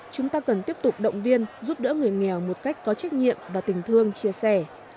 chúng ta cần tiếp tục động viên giúp đỡ người nghèo một cách có trách nhiệm và tình thương chia sẻ